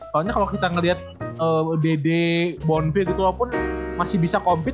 soalnya kalo kita ngeliat dede bonville gitu walaupun masih bisa compete